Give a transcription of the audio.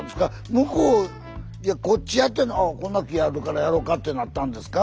向こういやこっちやってんのにああこんな木あるからやろかってなったんですか？